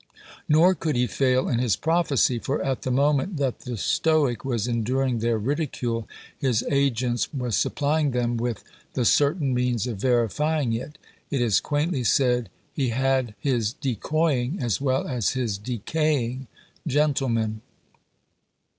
Nor could he fail in his prophecy; for at the moment that the stoic was enduring their ridicule, his agents were supplying them with the certain means of verifying it. It is quaintly said, he had his decoying as well as his decaying gentlemen.